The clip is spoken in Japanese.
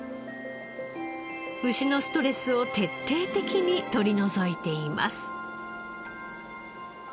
牛のストレスを徹底的に取り除いています。